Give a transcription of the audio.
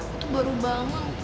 aku tuh baru bangun